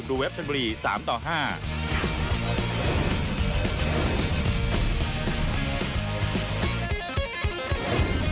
สวัสดีครับ